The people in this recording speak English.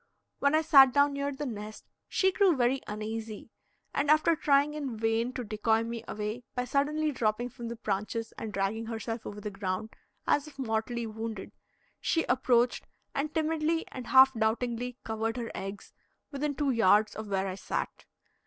When I sat down near the nest she grew very uneasy, and after trying in vain to decoy me away by suddenly dropping from the branches and dragging herself over the ground as if mortally wounded, she approached and timidly and half doubtingly covered her eggs within two yards of where I sat.